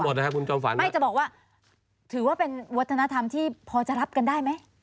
ไม่จะบอกว่าถือว่าเป็นวัฒนธรรมที่พอจะรับกันได้ไหม